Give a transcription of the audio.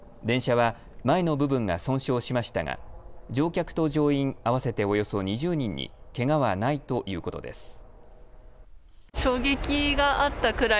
電車は前の部分が損傷しましたが乗客と乗員合わせておよそ２０人にけがはないということです。